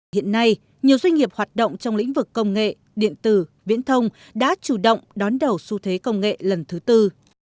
hiện nay nhiều doanh nghiệp hoạt động trong lĩnh vực công nghệ điện tử viễn thông đã chủ động đón đầu xu thế công nghệ lần thứ tư